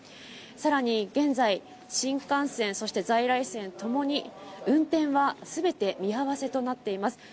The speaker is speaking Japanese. さらに現在、新幹線そして在来線ともに運転はすべて見合わせとなっています。